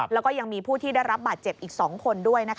แล้วก็ยังมีผู้ที่ได้รับบาดเจ็บอีก๒คนด้วย